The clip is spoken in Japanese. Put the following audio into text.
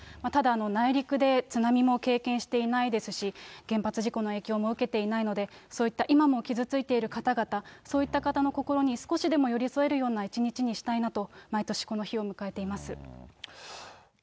ただ内陸で津波も経験していないですし、原発事故の影響も受けていないので、そういった今も傷ついている方々、そういった方の心に少しでも寄り添えるような一日にしたいなと、毎年、この日を迎えています。